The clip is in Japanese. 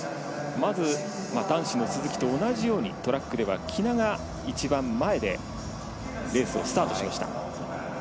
まず、男子も鈴木と同じようにトラックでは喜納が一番前でレースをスタートしました。